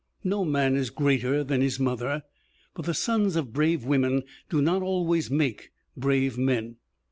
No man is greater than his mother; but the sons of brave women do not always make brave men.